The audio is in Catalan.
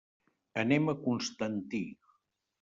Anem a Constantí.